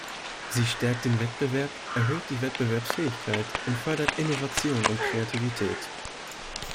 Sie stärkt den Wettbewerb, erhöht die Wettbewerbsfähigkeit, und fördert Innovation und Kreativität.